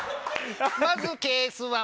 まずケース１。